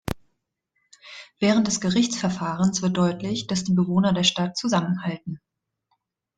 Während des Gerichtsverfahrens wird deutlich, dass die Bewohner der Stadt zusammenhalten.